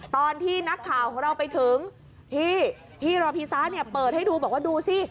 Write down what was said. ตอนที่นักข่าวของเราไปถึงพี่พี่รอพีซ้าเนี่ยเปิดให้ดูบอกว่าดูสิ